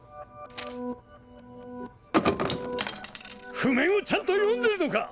ふめんをちゃんとよんでるのか！？